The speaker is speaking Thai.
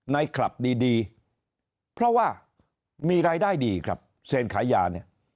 คลับดีเพราะว่ามีรายได้ดีครับเซนขายยาเนี่ย